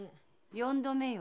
四度目よ。